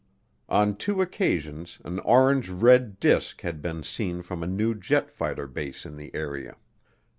On two occasions an orange red disk had been seen from a new jet fighter base in the area.